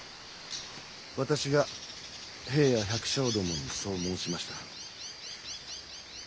私が兵や百姓どもにそう申しました。